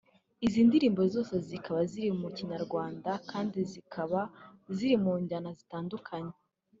Izi ndirimbo zose zikaba ziri mukinyarwanda kandi zikaba zirimunjyana zitandukanye